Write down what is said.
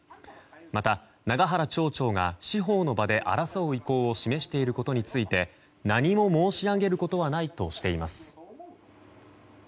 また、永原町長が司法の場で争う意向を示していることについて何も申し上げることはないとしています。